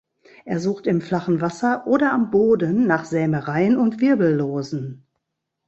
Er sucht im flachen Wasser oder am Boden nach Sämereien und Wirbellosen.